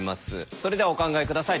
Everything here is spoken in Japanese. それではお考え下さい。